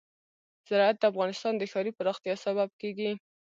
زراعت د افغانستان د ښاري پراختیا سبب کېږي.